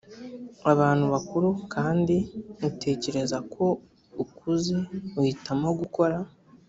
abantu bakuru kandi utekereza ko ukuze uhitamo gukora